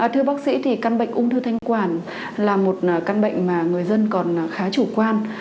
thưa bác sĩ thì căn bệnh ung thư thanh quản là một căn bệnh mà người dân còn khá chủ quan